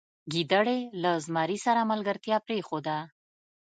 ګیدړې له زمري سره ملګرتیا پریښوده.